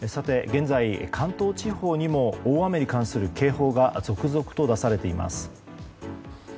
現在、関東地方にも大雨に関する警報が続々と出されています。